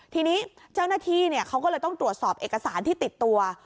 ทีนี้เจ้าหน้าที่เขาก็เลยต้องตรวจสอบเอกสารที่ติดตัว